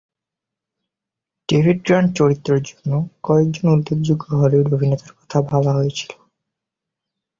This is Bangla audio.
ডেভিড গ্র্যান্ট চরিত্রের জন্য কয়েকজন উল্লেখযোগ্য হলিউড অভিনেতার কথা ভাবা হয়েছিল।